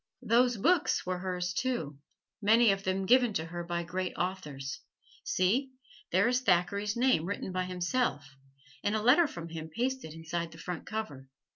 Those books were hers, too many of them given to her by great authors. See, there is Thackeray's name written by himself, and a letter from him pasted inside the front cover.